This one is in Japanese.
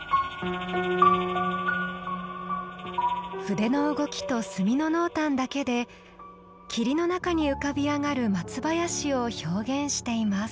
筆の動きと墨の濃淡だけで霧の中に浮かび上がる松林を表現しています。